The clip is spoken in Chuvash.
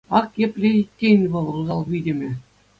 Ак епле иккен вӑл, усал витӗмӗ.